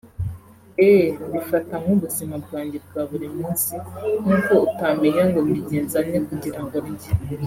Eeeh Mbifata nk’ubuzima bwanjye bwa buri munsi nk’uko utamenya ngo mbigenza nte kugirango ndye